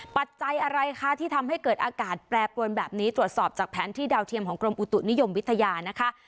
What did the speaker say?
ปัจจัยอะไรคะที่ทำให้เกิดอากาศแปรปวนแบบนี้ตรวจสอบจากแผนที่ดาวเทียมของกรมอุตุนิยมวิทยานะคะ